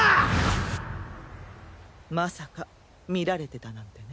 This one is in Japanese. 現在まさか見られてたなんてね。